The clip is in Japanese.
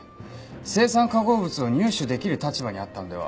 青酸化合物を入手できる立場にあったのでは？